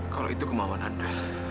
kalau itu kemauan anda